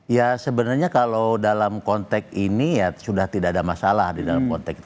ya sebenarnya kalau dalam konteks ini ya sudah tidak ada masalah di dalam konteks itu